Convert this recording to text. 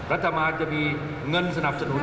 รัฐบาลจะมีเงินสนับสนุน